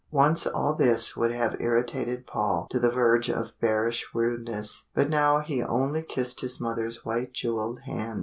Once all this would have irritated Paul to the verge of bearish rudeness, but now he only kissed his mother's white jewelled hand.